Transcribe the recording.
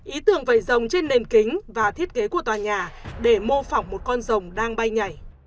ý tưởng vầy rồng trên nền kính và thiết kế của tòa nhà để mô phỏng một con rồng đang bay nhảy